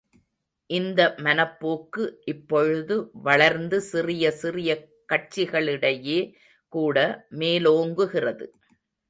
இந்த மனப்போக்கு இப்பொழுது வளர்ந்து, சிறிய, சிறிய கட்சிகளிடையே கூட மேலோங்குகிறது.